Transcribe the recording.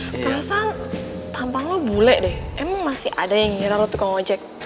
perasaan tampang lo bule deh emang masih ada yang ngiral tukang ojek